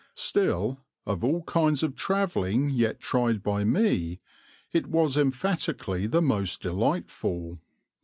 Still, of all kinds of travelling yet tried by me, it was emphatically the most delightful.